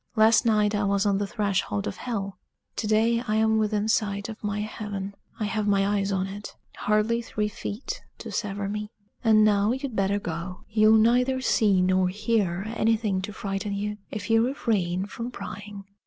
Last night I was on the threshold of hell. To day I am within sight of my heaven I have my eyes on it hardly three feet to sever me. And now you'd better go. You'll neither see nor hear anything to frighten you if you refrain from prying."